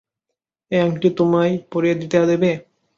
এই আংটি তোমায় পরিয়ে দিতে দেবে?